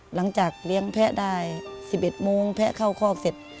หลังจากเลี้ยงแพะได้๑๑โมงแพะเข้าคอกเสร็จ